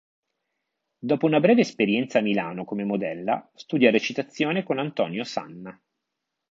Dopo una breve esperienza a Milano come modella, studia recitazione con Antonio Sanna.